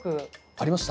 ありました？